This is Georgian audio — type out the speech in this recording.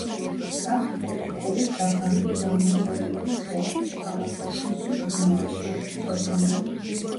აქვთ კუტიკულით დაფარული, დაუნაწევრებელი სხეული, თვალაკი, ყნოსვის ღრმულები, შეხების ორგანოები.